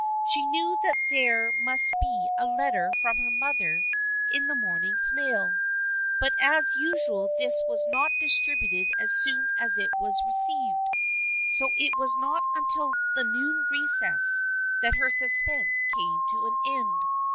She knew that there must be a letter from her mother in the morning's mail, but as usual this was not distributed as soon as it was received, so it was not until the noon recess that her suspense came to an end.